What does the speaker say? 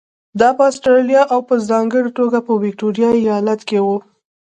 دا په اسټرالیا او په ځانګړې توګه په ویکټوریا ایالت کې وو.